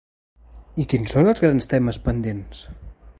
I quins són els grans temes pendents?